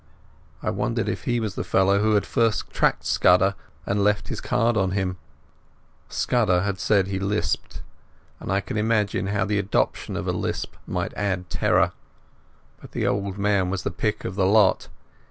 I wondered if he was the fellow who had first tracked Scudder, and left his card on him. Scudder had said he lisped, and I could imagine how the adoption of a lisp might add terror. But the old man was the pick of the lot.